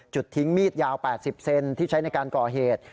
ทิ้งมีดยาว๘๐เซนที่ใช้ในการก่อเหตุ